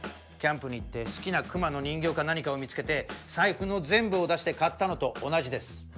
キャンプに行って好きな熊の人形か何かを見つけて財布の全部を出して買ったのと同じです。